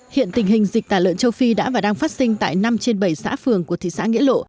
hiện tình hình dịch tà lợn châu phi đã và đang phát sinh tại năm trên bảy xã phường của thị trạng nguyễn lộ